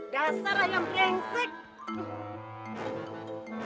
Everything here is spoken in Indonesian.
dasar ayam prensik